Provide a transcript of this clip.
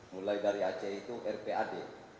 mulai dari aceh itu rpad